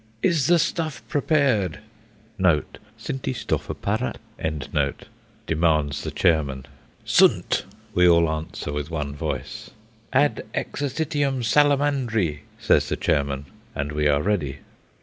"Is the stuff prepared?" ("Sind die stoffe parat?") demands the chairman. "Sunt," we answer, with one voice. "Ad exercitium Salamandri," says the chairman, and we are ready.